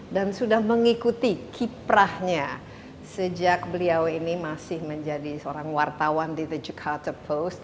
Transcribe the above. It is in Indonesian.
dan sudah mengikuti kiprahnya sejak beliau ini masih menjadi seorang wartawan di the jakarta post